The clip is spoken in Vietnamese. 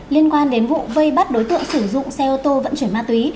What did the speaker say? liên quan đến vụ vây bắt đối tượng sử dụng xe ô tô vận chuyển ma túy